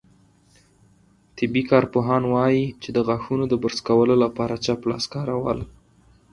طبي کارپوهان وايي، چې د غاښونو د برس کولو لپاره چپ لاس کارول